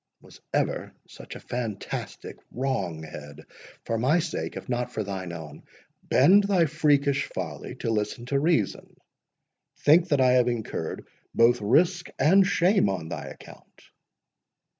"Was ever such a fantastic wrong head!—For my sake, if not for thine own, bend thy freakish folly to listen to reason. Think that I have incurred both risk and shame on thy account."